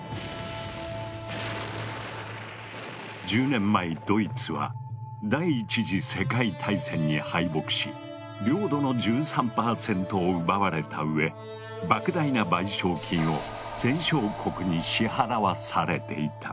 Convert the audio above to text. １０年前ドイツは第一次世界大戦に敗北し領土の１３％を奪われたうえ莫大な賠償金を戦勝国に支払わされていた。